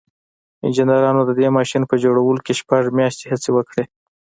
انجنيرانو د دې ماشين په جوړولو کې شپږ مياشتې هڅې وکړې.